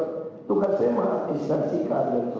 tidak saya menghapiskan sih keadilan sosial